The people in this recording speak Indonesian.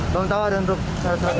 belum tau ada untuk sarung tangan